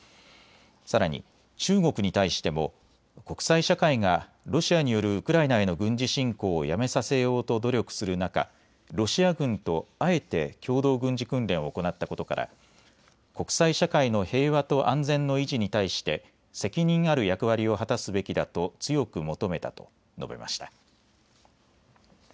さらに中国に対しても国際社会がロシアによるウクライナへの軍事侵攻をやめさせようと努力する中、ロシア軍とあえて共同軍事訓練を行ったことから国際社会の平和と安全の維持に対して責任ある役割を果たすべきだと強く求めたと述べました。